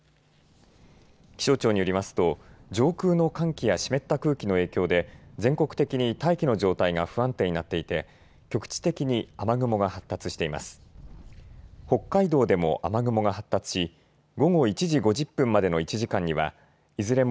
気象庁によりますと上空の寒気や湿った空気の影響で全国的に大気の状態が不安定になっていて局地的に雨雲が発達しています。